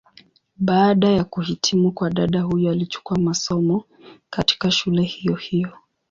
Baada ya kuhitimu kwa dada huyu alichukua masomo, katika shule hiyo hiyo.